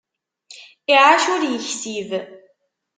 Iɛac ur yeksib.